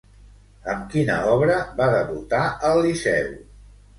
Amb quina obra va debutar al Liceu?